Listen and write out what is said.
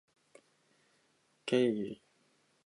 多人数だけは許すわけにはいかん！